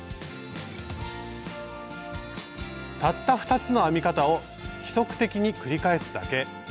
たった２つの編み方を規則的に繰り返すだけ。